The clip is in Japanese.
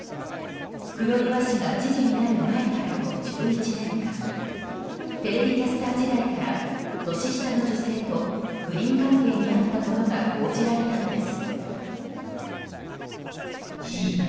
黒岩氏が知事になる前からの１１年間テレビキャスター時代から年下の女性と不倫関係にあったことが報じられたのです。